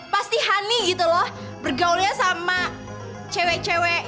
pasti honey gitu loh bergaulnya sama cewek cewek